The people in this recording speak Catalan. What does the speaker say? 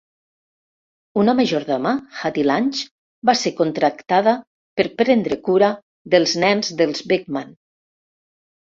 Una majordoma, Hattie Lange, va ser contractada per prendre cura dels nens dels Beckman.